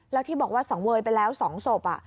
แล้วที่บอกว่าส่องเวยไปแล้วส่องศพอ่ะ